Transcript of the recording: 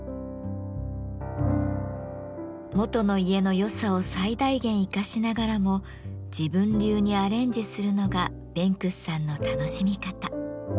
元の家の良さを最大限生かしながらも自分流にアレンジするのがベンクスさんの楽しみ方。